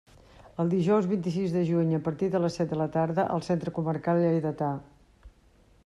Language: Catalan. El dijous vint-i-sis de juny a partir de les set de la tarda al Centre Comarcal Lleidatà.